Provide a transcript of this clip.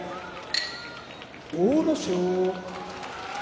阿武咲